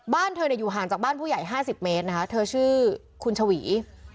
บ้านเธออยู่ห่างจากบ้านผู้ใหญ่๕๐เมตรนะคะเธอชื่อคุณชวี